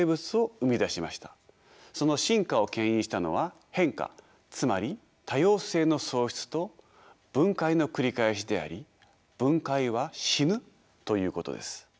その進化をけん引したのは変化つまり多様性の創出と分解の繰り返しであり「分解」は「死ぬ」ということです。